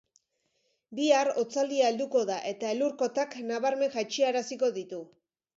Bihar hotzaldia helduko da, eta elur-kotak nabarmen jaitsi-araziko ditu.